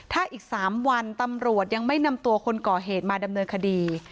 ถ้าอีก๓วันตำรวจยังไม่นำตัวคนก่อเหตุมาดำเนินคดี